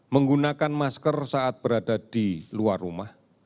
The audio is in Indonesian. menggunakan masker saat berada di luar rumah